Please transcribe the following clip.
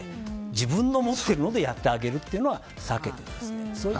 自分の持ってるのでやってあげるのは避けてください。